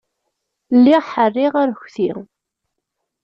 Lliɣ ḥerriɣ arekti.